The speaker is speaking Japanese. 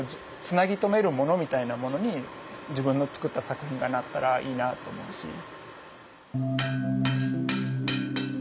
つなぎ止めるものみたいなものに自分の作った作品がなったらいいなと思うし。